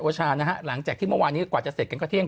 ชานะฮะหลังจากที่เมื่อวานนี้กว่าจะเสร็จกันก็เที่ยง